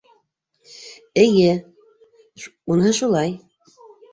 Әйе... уныһы шулай.